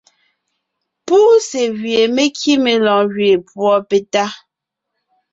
Púse gwie me kíme lɔɔn gẅeen púɔ petá.